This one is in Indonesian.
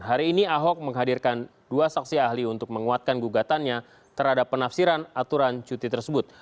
hari ini ahok menghadirkan dua saksi ahli untuk menguatkan gugatannya terhadap penafsiran aturan cuti tersebut